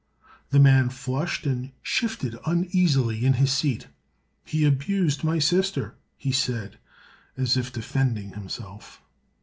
The man flushed and shifted uneasily in his seat. "He abused my sister," he said, as if defending himself.